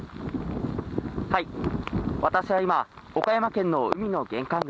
私は今、岡山県の海の玄関口